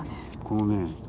このね